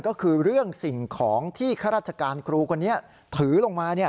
ก็คือเรื่องสิ่งของที่ข้าราชการครูคนนี้ถือลงมา